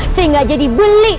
sehingga aja dibeli